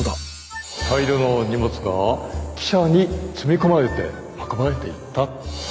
大量の荷物が汽車に積み込まれて運ばれていった。